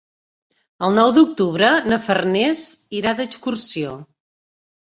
El nou d'octubre na Farners irà d'excursió.